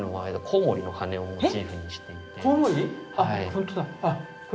コウモリの羽をモチーフにしていて。